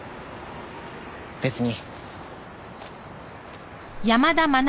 別に。